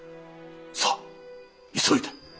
さあ急いで！